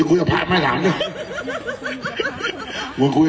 ไอ้บอเดียวคอดิไอ้บอเดียวคอดิ